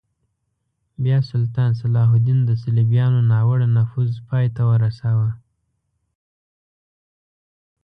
بیا سلطان صلاح الدین د صلیبیانو ناوړه نفوذ پای ته ورساوه.